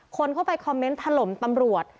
คนเข้าไปคอมเมนต์ถล่มตำรวจ